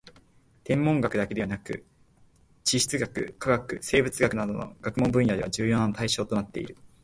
天文学だけでなく地質学・化学・生物学などの学問分野では重要な対象となっている